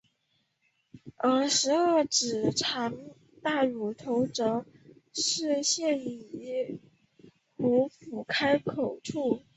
而十二指肠大乳头则是肝胰壶腹的开口处。